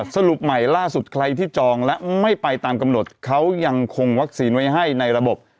สรุปใหม่ล่าสุดใครที่จองและไม่ไปตามกำหนดเขายังคงวัคซีนไว้ให้ในระบบ